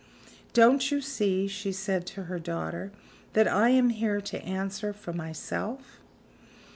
"Don't you see," she said to her daughter, "that I am here to answer for myself?"